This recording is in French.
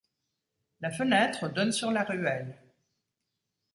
La fenêtre donne sur la ruelle.